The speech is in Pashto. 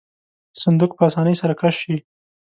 صندوق په آسانۍ سره کش شي.